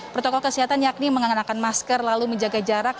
protokol kesehatan yakni mengenakan masker lalu menjaga jarak